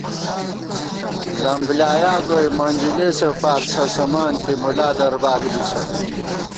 لم بۡلیایا گوئی منجلېسےفار څھسَمانتی مُلا درباری بِسہ